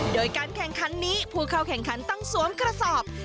โดยการแข่งขันนี้ผู้เข้าแข่งขันต้องสวมกระสอบ